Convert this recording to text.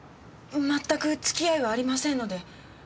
まったく付き合いはありませんので。